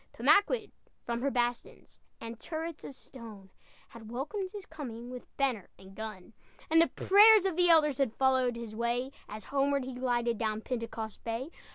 Pemaquid, from her bastions And turrets of stone, Had welcomed his coming With banner and gun. And the prayers of the elders Had followed his way, As homeward he glided, Down Pentecost Bay.